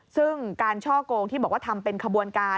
ซึ่งการช่อกงที่บอกว่าทำเป็นขบวนการ